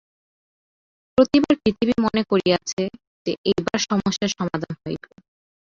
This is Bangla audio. প্রতিবার পৃথিবী মনে করিয়াছে যে, এইবার সমস্যার সমাধান হইবে।